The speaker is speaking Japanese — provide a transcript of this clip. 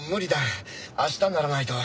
明日にならないと。